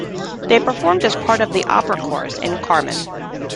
They performed as part of the opera chorus in Carmen.